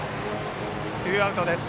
ツーアウトです。